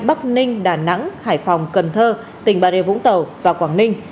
bắc ninh đà nẵng hải phòng cần thơ tỉnh bà rê vũng tàu và quảng ninh